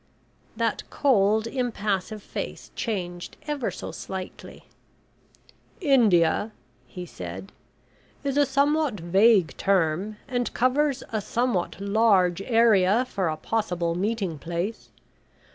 That cold impassive face changed ever so slightly. "India," he said, "is a somewhat vague term, and covers a somewhat large area for a possible meeting place.